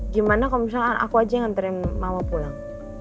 gimana kalau misalnya aku aja yang nantain mama pulang